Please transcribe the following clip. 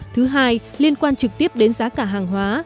thứ hai liên quan trực tiếp đến giá cả hàng hóa